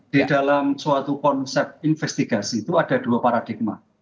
di dalam suatu konsep investigasi itu ada dua paradigma